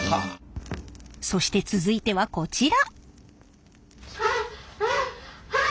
そして続いてはこちら！